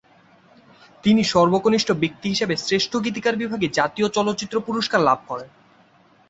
তিনি সর্বকনিষ্ঠ ব্যক্তি হিসেবে শ্রেষ্ঠ গীতিকার বিভাগে জাতীয় চলচ্চিত্র পুরস্কার লাভ করেন।